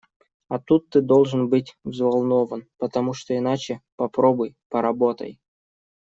А тут ты должен быть взволнован, потому что иначе попробуй, поработай.